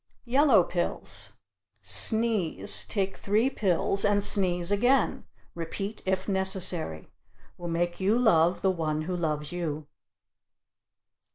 Yellow pills sneeze, take three pills and sneeze again repeat if necessary. Will make you love the one who loves you.